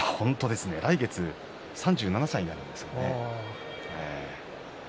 来月３７歳になるんですよ。